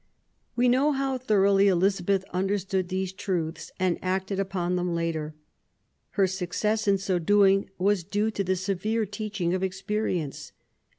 We know how thoroughly Elizabeth understood these truths and acted upon them later. Her success in so doing was due to the severe teaching of ex perience.